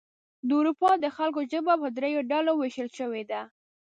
د اروپا د خلکو ژبه په دریو ډلو ویشل شوې ده.